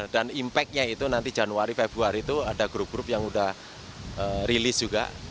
dan impact nya itu nanti januari februari itu ada grup grup yang udah rilis juga